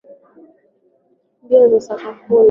Mbio za sakafuni.